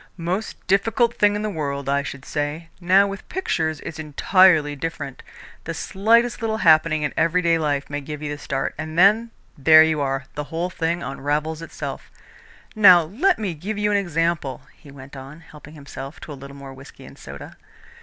"Most difficult thing in the world, I should say. Now with pictures it's entirely different. The slightest little happening in everyday life may give you the start, and then, there you are the whole thing unravels itself. Now let me give you an example," he went on, helping himself to a little more whisky and soda.